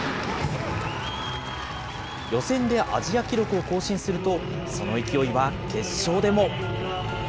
予選でアジア記録を更新すると、その勢いは決勝でも。